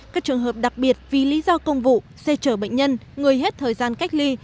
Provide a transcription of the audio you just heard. các trường hợp đặc biệt vì lý do công vụ xe chở bệnh nhân người hết thời gian cách ly